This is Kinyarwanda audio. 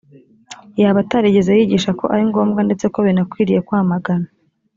yaba atarigeze yigisha ko ari ngombwa ndetse ko binakwiriye kwamagana